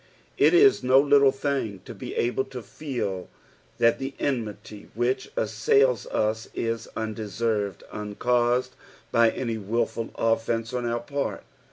It is no little thing to be able to feel that the enmity which ossnils us is undeserved — uncaused by any wilful offence on our part.